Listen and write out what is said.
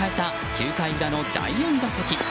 ９回裏の第４打席。